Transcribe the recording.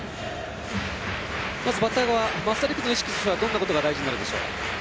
まずバッター側増田陸の意識としてはどんなことが大事になるでしょう。